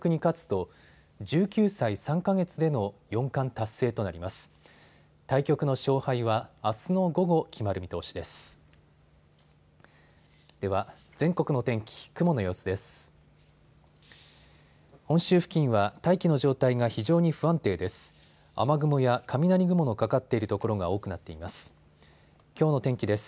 本州付近は大気の状態が非常に不安定です。